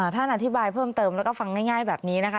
ท่านอธิบายเพิ่มเติมแล้วก็ฟังง่ายแบบนี้นะคะ